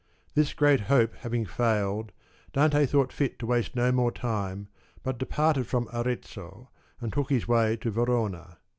This great hope having failed, Dante thought fit to waste no more time but departed from Arezzo and took his way to Verona.